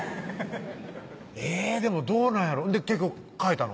えぇでもどうなんやろ結局変えたの？